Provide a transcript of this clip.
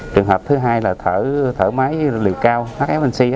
trường hợp thứ hai là thở thở máy liều cao hfnc